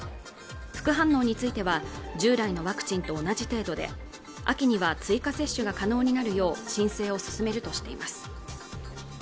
副反応については従来のワクチンと同じ程度で秋には追加接種が可能になるよう申請を進めるとしています